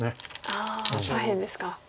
ああ左辺ですか。